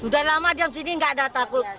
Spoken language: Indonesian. di sini tidak ada takut